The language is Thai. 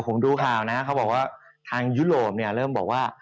ผมดูข่าวนะเขาบอกว่าทางยุโรปเนี่ยเริ่มบอกว่า